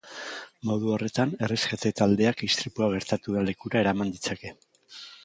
Modu horretan, erreskate-taldeak istripua gertatu den lekura eraman ditzake.